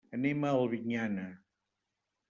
Anem a Albinyana.